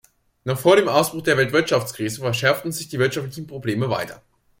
Noch vor dem Ausbruch der Weltwirtschaftskrise verschärften sich die wirtschaftlichen Probleme weiter.